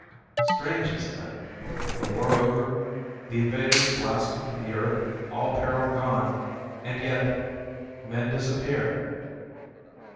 "Strange, isn't it? The war over. The invaders blasted from the earth. All peril gone. And yet men disappear."